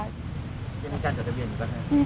ยังมีการจดทะเบียนอยู่ไหม